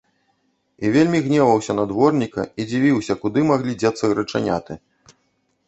І вельмі гневаўся на дворніка і дзівіўся, куды маглі дзецца грачаняты.